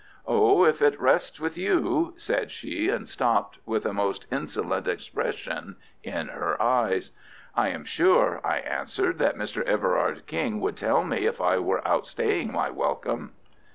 "Oh, if it rests with you——" said she, and stopped, with a most insolent expression in her eyes. "I am sure," I answered "that Mr. Everard King would tell me if I were outstaying my welcome."